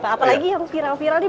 apalagi yang viral viral nih